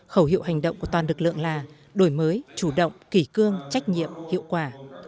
khẩu hiệu hành động của toàn lực lượng là đổi mới chủ động kỷ cương trách nhiệm hiệu quả